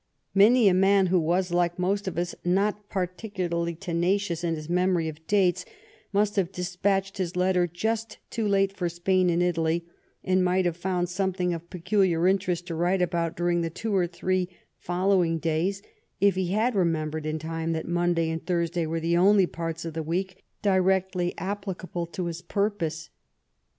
Many a man who was, like most of us, not particularly tenacious in his memory of dates, must have despatched his letter just too late for Spain and Italy, and might have found something of peculiar interest to write about during the two or three follow ing days if he had remembered in time that Monday and Thursday were the only parts of the week directly applicable to his purpose.